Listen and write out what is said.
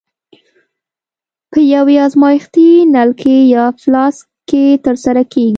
په یوې ازمایښتي نلکې یا فلاسک کې ترسره کیږي.